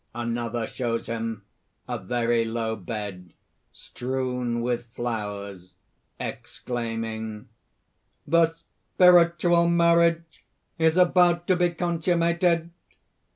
_ Another shows him a very low bed, strewn with flowers, exclaiming:) "The spiritual marriage is about to be consummated."